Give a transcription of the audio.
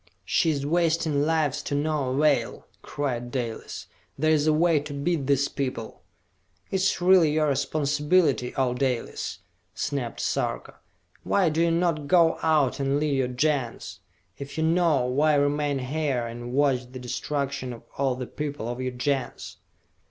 "She is wasting lives to no avail!" cried Dalis. "There is a way to beat these people!" "It is really your responsibility, O Dalis!" snapped Sarka. "Why do you not go out and lead your Gens? If you know, why remain here and watch the destruction of all the people of your Gens?"